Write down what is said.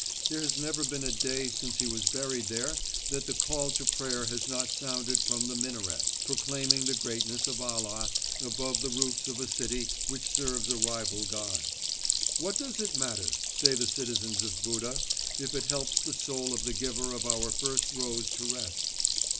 There has never been a day since he was buried there that the call to prayer has not sounded from the minaret, proclaiming the greatness of Allah above the roofs of a city which serves a rival god. What does it matter, say the citizens of Buda, if it helps the soul of the giver of our first rose to rest?